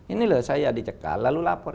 ini loh saya dicekal lalu lapor